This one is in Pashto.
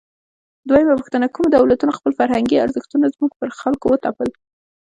دویمه پوښتنه: کومو دولتونو خپل فرهنګي ارزښتونه زموږ پر خلکو وتپل؟